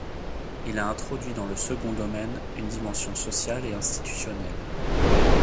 Il a introduit dans le second domaine une dimension sociale et institutionnelle.